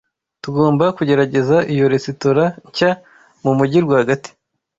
Tugomba kugerageza iyo resitora nshya mumujyi rwagati.